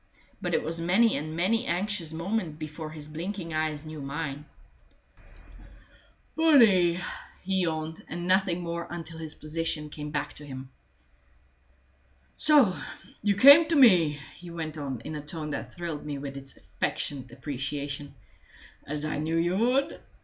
But it was many and many an anxious moment before his blinking eyes knew mine. "Bunny!" he yawned, and nothing more until his position came back to him. "So you came to me," he went on, in a tone that thrilled me with its affectionate appreciation, "as I knew you would!